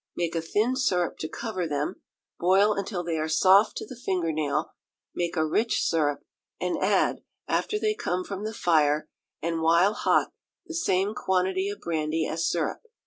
Make a thin syrup to cover them, boil until they are soft to the finger nail; make a rich syrup, and add, after they come from the fire, and while hot, the same quantity of brandy as syrup.